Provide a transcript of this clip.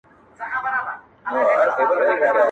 خدايه پنځه وخته محراب چي په لاسونو کي دی,